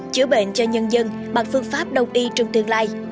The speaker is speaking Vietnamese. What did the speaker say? chữa bệnh cho nhân dân bằng phương pháp đông y trong tương lai